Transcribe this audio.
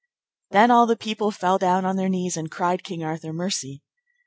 Then all the people fell down on their knees and cried King Arthur mercy.